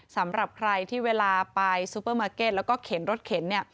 สำหรับใครที่เวลาไปซูเปอร์มาร์เก็ตแล้วก็เข็นรถเข็นเนี่ย